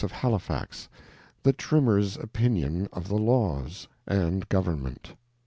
THE 50 THE Trimmer's Opinion OF THE LAWS AND GOVERNMENT.